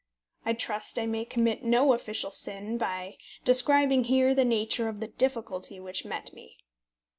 I trust I may commit no official sin by describing here the nature of the difficulty which met me.